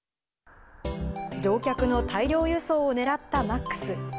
乗客の大量輸送をねらったＭａｘ。